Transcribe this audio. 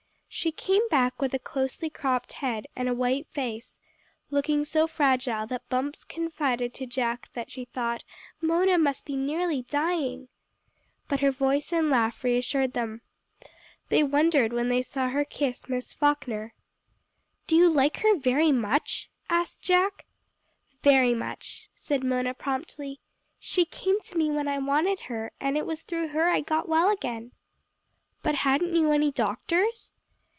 She came back with a closely cropped head, and a white face, looking so fragile that Bumps confided to Jack that she thought "Mona must be nearly dying." But her voice and laugh reassured them. They wondered when they saw her kiss Miss Falkner. "Do you like her very much?" asked Jack. "Very much," said Mona promptly. "She came to me when I wanted her, and it was through her that I got well again!" "But hadn't you any doctors?"